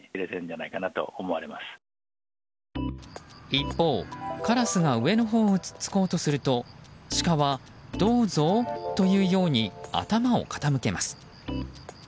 一方、カラスが上のほうを突っつこうとするとシカは、どうぞというように頭を傾けます。